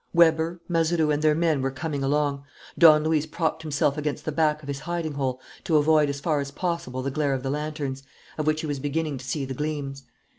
Weber, Mazeroux, and their men were coming along. Don Luis propped himself against the back of his hiding hole to avoid as far as possible the glare of the lanterns, of which he was beginning to see the gleams.